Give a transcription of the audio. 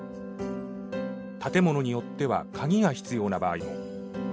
建物によっては鍵が必要な場合も。